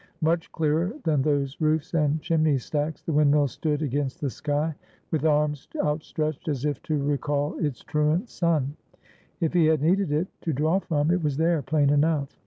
Much clearer than those roofs and chimney stacks the windmill stood against the sky, with arms outstretched as if to recall its truant son. If he had needed it to draw from, it was there, plain enough.